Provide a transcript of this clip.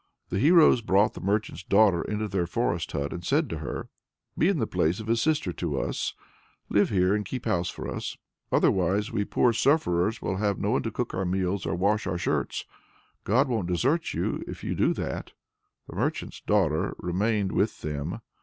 The heroes brought the merchant's daughter into their forest hut, and said to her: "Be in the place of a sister to us, live here and keep house for us; otherwise we poor sufferers will have no one to cook our meals or wash our shirts. God won't desert you if you do that!" The merchant's daughter remained with them.